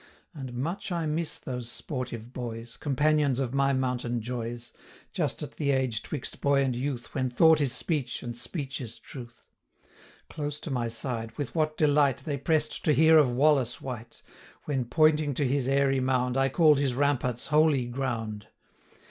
And much I miss those sportive boys, Companions of my mountain joys, Just at the age 'twixt boy and youth, 110 When thought is speech, and speech is truth. Close to my side, with what delight They press'd to hear of Wallace wight, When, pointing to his airy mound, I call'd his ramparts holy ground!